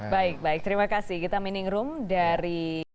baik baik terima kasih kita mining room dari